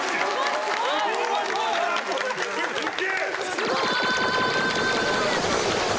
すごい！